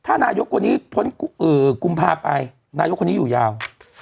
ถ้านายกคนนี้พ้นกุมภาไปนายกคนนี้อยู่ยาว